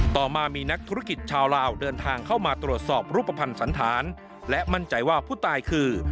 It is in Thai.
ต่อมามีนักธุรกิจชาวลาวเดินทางเข้ามาตรวจสอบรูปภัณฑ์สันธารและมั่นใจว่าผู้ตายคือ